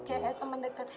cs temen dekat